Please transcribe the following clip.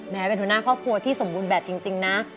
เป็นหัวหน้าครอบครัวที่สมบูรณ์แบบจริงนะ